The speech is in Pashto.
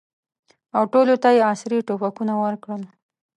او ټولو ته یې عصري توپکونه ورکړل.